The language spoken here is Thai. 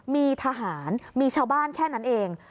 มีทหารมีชาวบ้านแค่นั้นเอง